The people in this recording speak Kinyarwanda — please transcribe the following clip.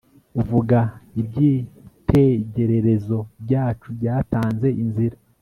vuga ibyitegererezo byacu byatanze inzira